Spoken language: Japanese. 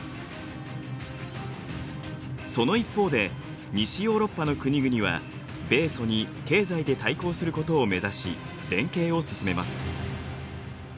その一方で西ヨーロッパの国々は米ソに経済で対抗することを目指し連携を進めます。